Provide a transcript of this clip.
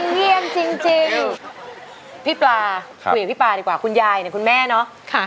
เยี่ยมจริงพี่ปลาคุยกับพี่ปลาดีกว่าคุณยายเนี่ยคุณแม่เนาะ